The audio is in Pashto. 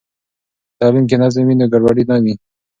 که په تعلیم کې نظم وي، نو ګډوډي نه وي.